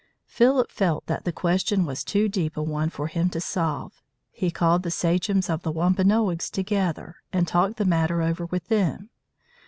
Philip felt that the question was too deep a one for him to solve. He called the sachems of the Wampanoags together, and talked the matter over with them.